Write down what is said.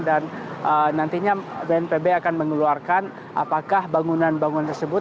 dan nantinya bnpb akan mengeluarkan apakah bangunan bangunan tersebut